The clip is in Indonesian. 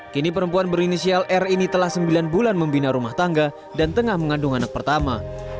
kini perempuan berinisial r ini telah sembilan bulan membina rumah tangga dan tengah mengandung anak pertama